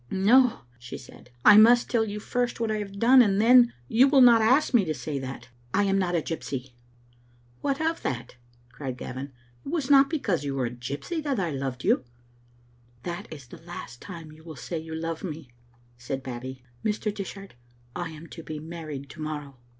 "No," she said, "I must tell you first what I have done, and then you will not ask me to say that. I am not a gypsy." "What of that?" cried Gavin. "It was not because you were a gypsy that I loved you. "" That is the last time you will say you love me," said Babbie. " Mr. Dishart, I am to be married to morrow."